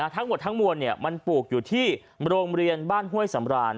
ทั้งหมดทั้งมวลมันปลูกอยู่ที่โรงเรียนบ้านห้วยสำราน